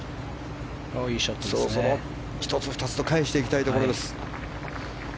そろそろ１つ２つと返していきたいところです。